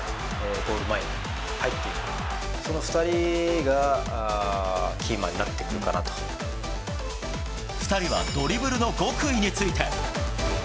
この２人がキーマンになってくる２人はドリブルの極意について。